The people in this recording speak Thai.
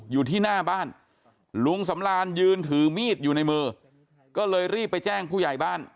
อยู่ที่หน้าบ้านลุงสำรานยืนถือมีดอยู่ในมือก็เลยรีบไปแจ้งผู้ใหญ่บ้าน